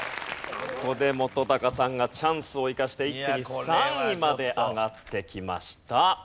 ここで本さんがチャンスを生かして一気に３位まで上がってきました。